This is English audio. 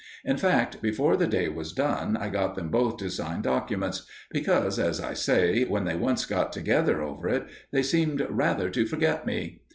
In fact, before the day was done I got them both to sign documents; because, as I say, when they once got together over it, they seemed rather to forget me.